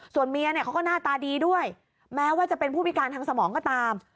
ส่วนเมียเนี่ยเขาก็หน้าตาดีด้วยแม้ว่าจะเป็นผู้พิการทางสมองก็ตาม